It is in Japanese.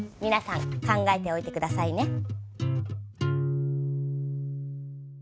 皆さん考えておいて下さいね。